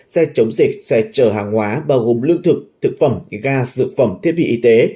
xe chống dịch xe chở hàng hóa bao gồm lương thực thực phẩm ga dược phẩm thiết bị y tế